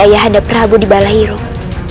ayahanda prabu di balairung